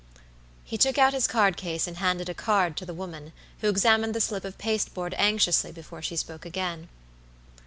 He took out his card case and handed a card to the woman, who examined the slip of pasteboard anxiously before she spoke again.